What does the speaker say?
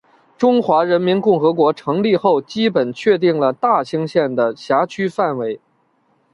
中华人民共和国成立后基本确定了大兴县的辖区范围。